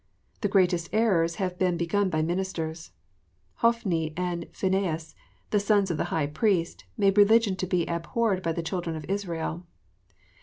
The greatest errors have been begun by ministers. Hophni and Phinehas, the sons of the High Priest, made religion to be abhorred by the children of Israel.